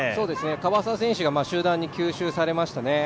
樺沢選手が集団に吸収されましたね。